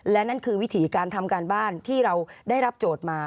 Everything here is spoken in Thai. และนั่นคือวิถีการทำการบ้านที่เราได้รับโจทย์มา